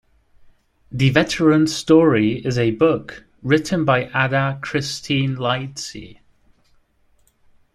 "The Veteran's Story" is a book written by Ada Christine Lightsey.